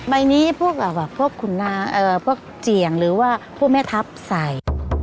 ใบนี้พวกขุนพวกเจียงหรือว่าพวกแม่ทัพใส่